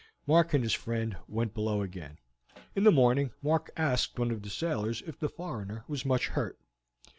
Mark and his friend went below again. In the morning Mark asked one of the sailors if the foreigner was much hurt.